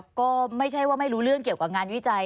ก็ไม่ใช่ว่าไม่รู้เรื่องเกี่ยวกับงานวิจัย